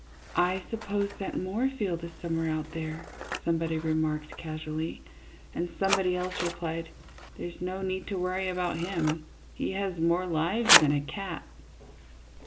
" I suppose that Moorfield is somewhere out there," somebody remarked, casually, and somebody else replied, " There 's no need to worry about him, he has more lives than a cat."